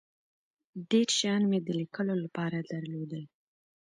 ډیر شیان مې د لیکلو له پاره درلودل.